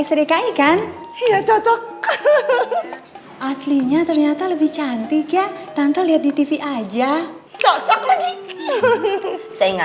ya cocok aslinya ternyata lebih cantik ya tante lihat di tv aja cocok lagi saya nggak